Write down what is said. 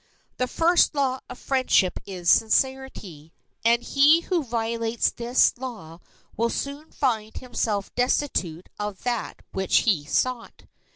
The first law of friendship is sincerity, and he who violates this law will soon find himself destitute of that which he sought.